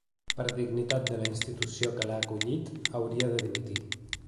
Per dignitat de la institució que l'ha acollit hauria de dimitir.